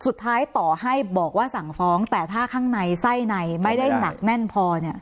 สุดท้ายต่อให้บอกว่าสั่งฟ้องแต่ถ้าข้างในไส้ในไม่ได้หนักแน่นพอเนี่ย